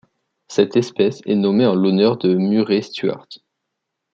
Cette espèce est nommée en l'honneur de Murray Stuart.